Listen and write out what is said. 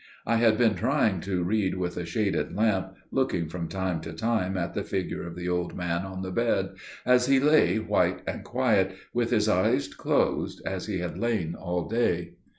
I had been trying to read with a shaded lamp, looking from time to time at the figure of the old man on the bed, as he lay white and quiet, with his eyes closed, as he had lain all day.